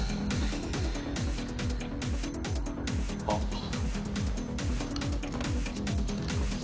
あっ。